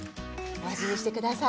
お味見して下さい。